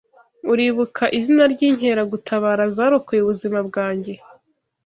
Uribuka izina ryinkeragutabara zarokoye ubuzima bwanjye?